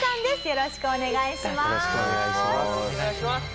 よろしくお願いします。